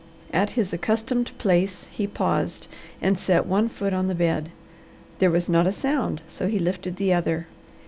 At his accustomed place he paused and set one foot on the bed. There was not a sound, so he lifted the other.